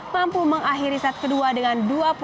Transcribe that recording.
mampu mengakhiri set kedua dengan dua puluh lima sembilan belas